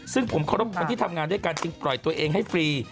ซึ่งผมเคารพคนที่ทำงานด้วยกันจึงปล่อยตัวเองให้ฟรี